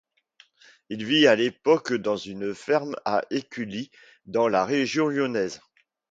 Il vit à l'époque dans une ferme à Écully, dans la région lyonnaise.